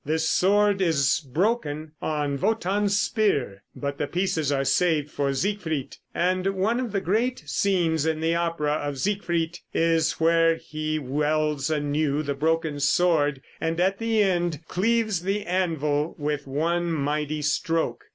This sword is broken on Wotan's spear, but the pieces are saved for Siegfried, and one of the great scenes in the opera of "Siegfried" is where he welds anew the broken sword, and at the end cleaves the anvil with one mighty stroke.